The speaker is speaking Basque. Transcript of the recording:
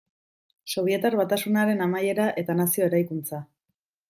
Sobietar Batasunaren amaiera eta nazio eraikuntza.